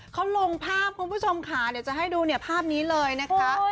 เขาลงภาพคุณผู้ชมค่ะเดี๋ยวจะให้ดูเนี่ยภาพนี้เลยนะคะ